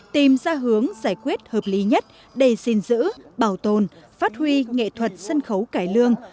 tìm ra hướng giải quyết hợp lý nhất để xin giữ bảo tồn phát huy nghệ thuật sân khấu cải lương